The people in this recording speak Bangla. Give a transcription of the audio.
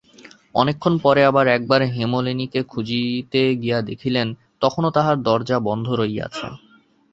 অনেকক্ষণ পরে আবার একবার হেমনলিনীকে খুঁজিতে গিয়া দেখিলেন, তখনো তাহার দরজা বন্ধ রহিয়াছে।